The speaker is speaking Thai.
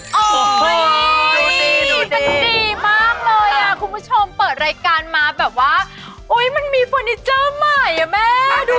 ดูดีดีมันดีมากเลยคุณผู้ชมเปิดรายการมามันมีเฟอร์นีเจอร์ใหม่แม่